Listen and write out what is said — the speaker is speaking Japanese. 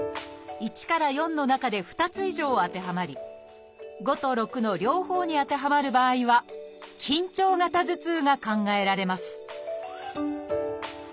１から４の中で２つ以上当てはまり５と６の両方に当てはまる場合は緊張型頭痛が考えられます